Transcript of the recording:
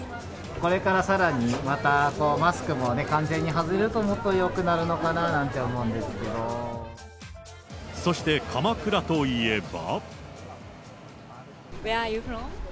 これからさらに、またマスクも完全に外れたらもっとよくなるのかななんて思うんでそして鎌倉といえば。